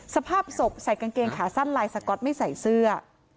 สภาพศพใส่กางเกงขาสั้นลายสก๊อตไม่ใส่เสื้อ